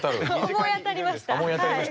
思い当たりましたはい。